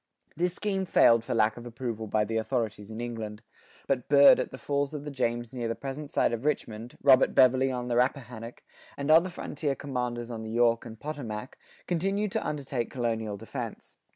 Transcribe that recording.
This scheme failed for lack of approval by the authorities in England.[84:3] But Byrd at the falls of the James near the present site of Richmond, Robert Beverley on the Rappahannock, and other frontier commanders on the York and Potomac, continued to undertake colonial defense.